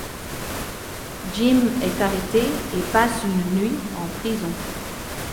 Jim est arrêté et passe une nuit en prison.